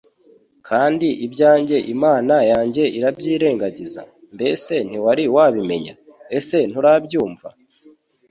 kandi ibyanjye Imana yanjye irabyirengagiza? Mbese ntiwari wabimenya? Ese nturabyumva?